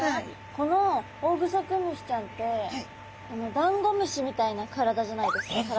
このオオグソクムシちゃんってダンゴムシみたいな体じゃないですか。